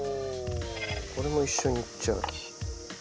これも一緒にいっちゃう。